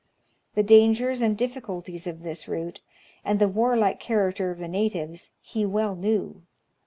The dangers and difficulties of this route, and the warlike character of the natives, he well knew.